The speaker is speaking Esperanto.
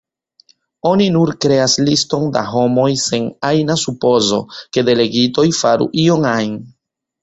Oni nur kreas liston da homoj sen ajna supozo, ke delegitoj faru ion ajn.